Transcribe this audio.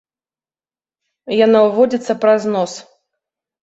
Яна ўводзіцца праз нос.